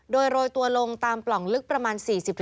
โดยโรยตัวลงตามปล่องลึกประมาณ๔๐